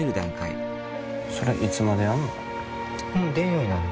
それいつまでやんの？